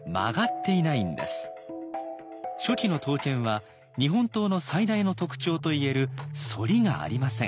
初期の刀剣は日本刀の最大の特徴と言える「反り」がありません。